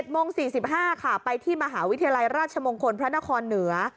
โมง๔๕ค่ะไปที่มหาวิทยาลัยราชมงคลพระนครเหนือ